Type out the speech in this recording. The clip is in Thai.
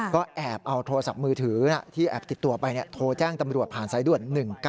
ก็แอบเอาโทรศัพท์มือถือที่แอบติดตัวไปโทรแจ้งตำรวจผ่านสายด่วน๑๙